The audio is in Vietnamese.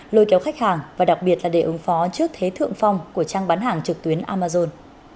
lôi kéo khách hàng và đặc biệt là để ứng phó trước thế thượng phong của trang bán hàng trực tuyến amazon